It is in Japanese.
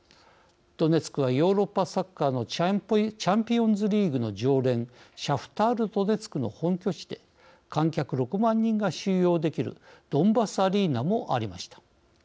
ドネツクはヨーロッパサッカーのチャンピオンズリーグの常連シャフタール・ドネツクの本拠地で観客６万人が収容できるドンバス・アリーナもありました。